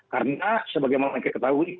karena sebagaimana mereka ketahui